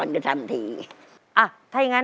ตัวเลือกที่สอง๘คน